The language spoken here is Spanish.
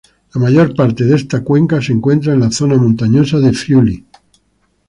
La mayor parte de esta cuenca se encuentra en la zona montañosa de Friuli.